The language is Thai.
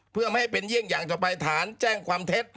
เพื่อไม่ให้เป็นเยี่ยงอย่างต่อไปฐานแจ้งความเท็จ